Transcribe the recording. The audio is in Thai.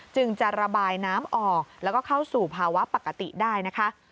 จึงจะระบายน้ำออกแล้วก็เข้าสู่ภาวะปกติได้นะคะ